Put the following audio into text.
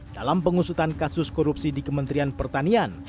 dalam pengusutan kasus korupsi di kementerian pertanian